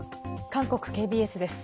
韓国ＫＢＳです。